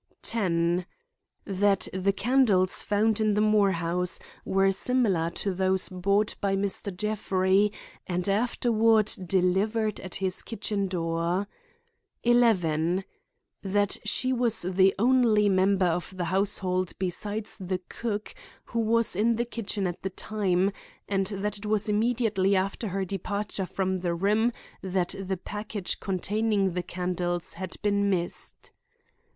10. That the candles found in the Moore house were similar to those bought by Mr. Jeffrey and afterward delivered at his kitchen door. 11. That she was the only member of the household besides the cook who was in the kitchen at the time, and that it was immediately after her departure from the room that the package containing the candles had been missed.